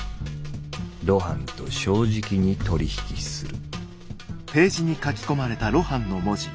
「露伴と正直に取り引きする」。